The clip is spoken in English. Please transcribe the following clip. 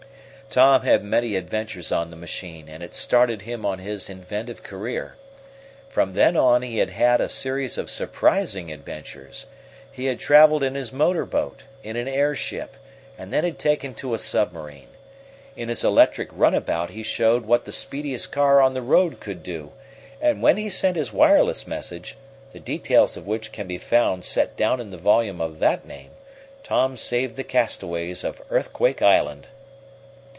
Tom had many adventures on the machine, and it started him on his inventive career. From then on he had had a series of surprising adventures. He had traveled in his motor boat, in an airship, and then had taken to a submarine. In his electric runabout he showed what the speediest car on the road could do, and when he sent his wireless message, the details of which can be found set down in the volume of that name, Tom saved the castaways of Earthquake Island.